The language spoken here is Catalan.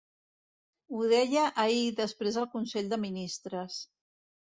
Ho deia ahir després del consell de ministres.